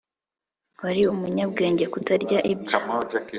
wari umunyabwenge kutarya ibyo